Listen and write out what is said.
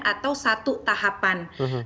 atau satu tahapan